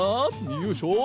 よいしょ。